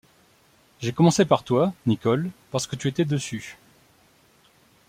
J’ai commencé par toi, Nicholl, parce que tu étais dessus.